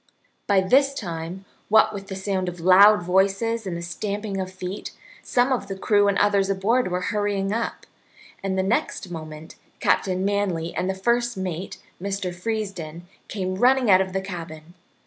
By this time, what with the sound of loud voices and the stamping of feet, some of the crew and others aboard were hurrying up, and the next moment Captain Manly and the first mate, Mr. Freesden, came running out of the cabin.